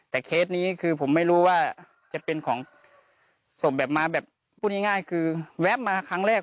แต่เคสนี้คือผมไม่รู้ว่าจะเป็นของส่งแบบมาแบบพูดง่ายคือแวบมาครั้งแรก